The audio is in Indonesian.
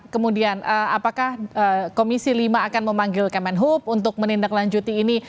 kemudian apakah komisi lima akan memanggil kemenhub untuk menindaklanjuti ini